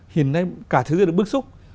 hiện nay cả thế giới được bức xúc